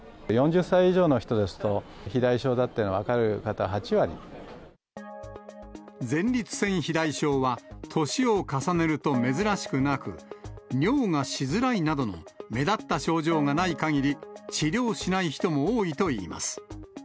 ４０歳以上の人ですと、前立腺肥大症は、年を重ねると珍しくなく、尿がしづらいなどの目立った症状がないかぎり、治療しない人も多いといいます。